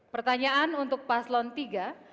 pertanyaan untuk paslon iii